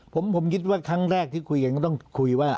ผมคิดว่าครั้งแรกที่คุยกันก็ต้องคุยว่า